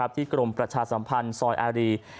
ที่กรมประชาสัมภัณฑ์ซอยอารี